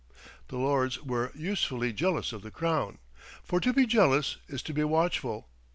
The Lords were usefully jealous of the Crown; for to be jealous is to be watchful.